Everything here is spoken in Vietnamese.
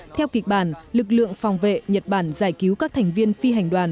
theo kịch bản lực lượng phòng vệ nhật bản giải cứu các thành viên phi hành đoàn